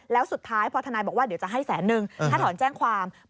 แล้วสุดท้ายพอทนายบอกว่าเดี๋ยวจะให้แสนนึงถ้าถอนแจ้งความ